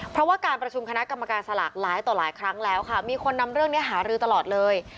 เพราะว่าการประชุมคณะกรรมการสลากหลายต่อหลายครั้งแล้วค่ะมีคนนำเรื่องนี้หารือตลอดเลย